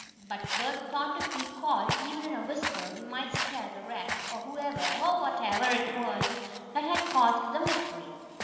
But Bert thought if he called, even in a whisper, he might scare the rat, or whoever, or whatever, it was, that had caused the mystery.